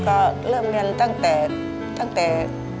ก็เริ่มเรียนตั้งแต่ตั้งแต่